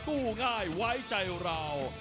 กู้ง่ายไว้ใจเรา